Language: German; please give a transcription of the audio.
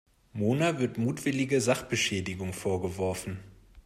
Mona wird mutwillige Sachbeschädigung vorgeworfen.